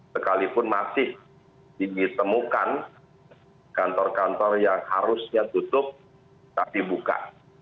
sekalipun masih ditemukan kantor kantor yang harusnya tutup tapi buka